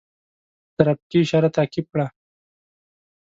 ترافیکي اشاره تعقیب کړه.